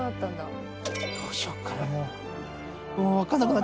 どうしよっかな？